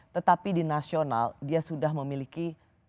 tetapi di nasional dia sudah memiliki